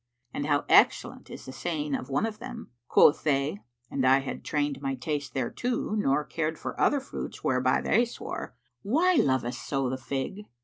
And how excellent is the saying of one of them, "Quoth they (and I had trained my taste thereto * Nor cared for other fruits whereby they swore), 'Why lovest so the Fig?'